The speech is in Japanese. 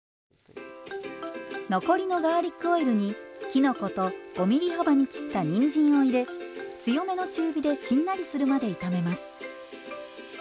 残りのガーリックオイルにきのこと５ｍｍ幅に切ったにんじんを入れ強めの中火でしんなりするまで炒めます。